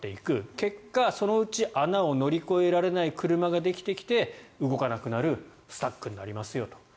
結果、そのうち穴を乗り越えられない車が出てきて、動けなくなるスタックになりますと。